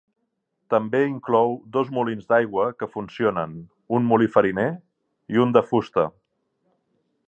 També inclou dos molins d'aigua que funcionen: un molí fariner i un de fusta.